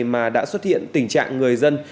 mà đã xuất hiện tình trạng người dân